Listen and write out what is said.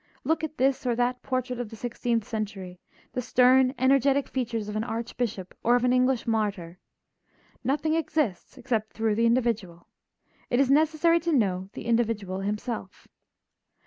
Look at this or that portrait of the sixteenth century, the stern, energetic features of an archbishop or of an English martyr. Nothing exists except through the individual; it is necessary to know the individual himself.